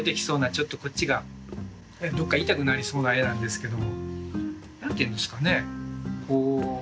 ちょっとこっちがどっか痛くなりそうな絵なんですけども何て言うんですかねこう。